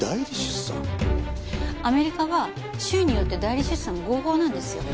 アメリカは州によって代理出産が合法なんですよ。